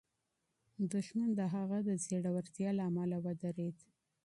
دښمن د هغه د زړورتیا له امله وېرېد.